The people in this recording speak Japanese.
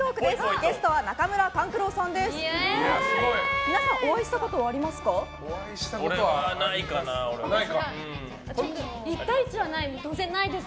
ゲストは中村勘九郎さんです。